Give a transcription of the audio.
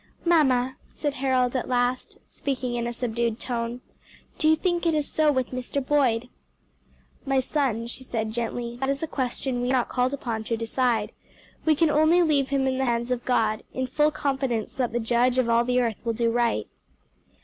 "Mamma," asked Harold at last, speaking in a subdued tone, "do you think it is so with Mr. Boyd?" "My son," she said gently, "that is a question we are not called upon to decide; we can only leave him in the hands of God, in full confidence that the Judge of all the earth will do right."